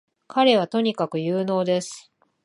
彼はとにかく有能です